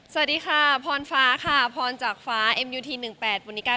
สวัสดีค่ะพรฟ้าค่ะพรจากฟ้าเอ็มยูทีหนึ่งแปดบุรณิคร